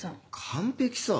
完璧さ。